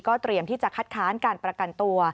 เตรียมที่จะคัดค้านการประกันตัว